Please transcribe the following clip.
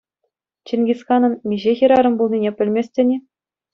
Чингисханӑн миҫе хӗрарӑм пулнине пӗлместӗн-и?